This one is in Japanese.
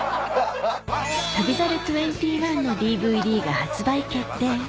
『旅猿２１』のＤＶＤが発売決定